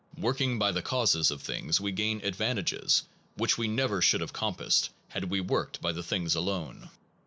Working by the causes of things we gain advantages which we never should have compassed had we worked by the things alone.